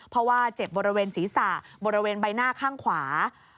เพราะว่าเจ็บบริเวณศีรษะบริเวณใบหน้าข้างขวา